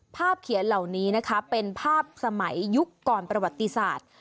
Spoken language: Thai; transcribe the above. ภาพเขียนเหล่านี้นะคะเป็นภาพสมัยยุคก่อนประวัติศาสตร์